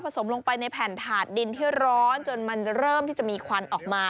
สมลงไปในแผ่นถาดดินที่ร้อนจนมันเริ่มที่จะมีควันออกมา